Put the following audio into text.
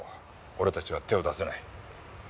俺たちは手を出せない。